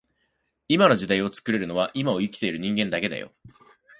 今の時代を作れるのは今を生きている人間だけだよ